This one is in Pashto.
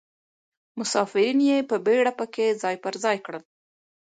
مسافرین یې په بیړه په کې ځای پر ځای کړل.